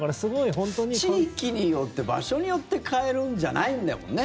地域によって場所によって変えるんじゃないんだもんね